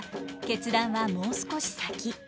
決断はもう少し先。